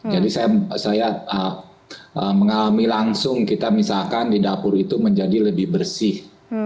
jadi saya mengalami langsung kita misalkan di dapur itu menjadi lebih bersih